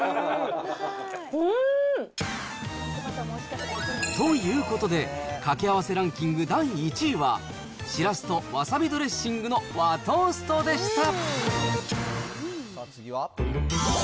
うん！ということで、かけ合わせランキング第１位は、しらすとわさびドレッシングの和トーストでした。